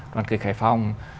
đoàn kịch khải phòng